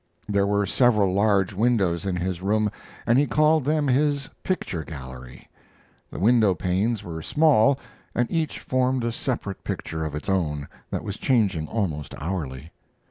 There were several large windows in his room, and he called them his picture gallery. The window panes were small, and each formed a separate picture of its own that was changing almost hourly.